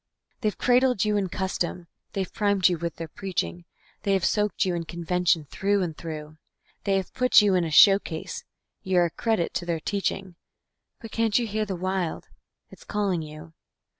They have cradled you in custom, they have primed you with their preaching, They have soaked you in convention through and through; They have put you in a showcase; you're a credit to their teaching But can't you hear the Wild? it's calling you.